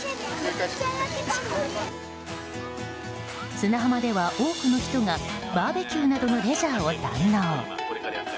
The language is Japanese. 砂浜では多くの人がバーベキューなどのレジャーを堪能。